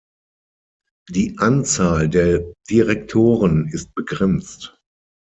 Die Anzahl der Direktoren ist begrenzt.